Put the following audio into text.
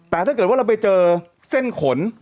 แต่ถ้าเกิดว่าเราไปเจอเส้นขน